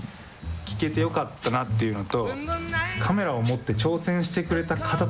聞けてよかったなっていうのとていうことが。